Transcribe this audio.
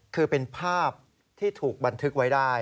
คือเป็นภาพที่ถูกบันทึกไว้ได้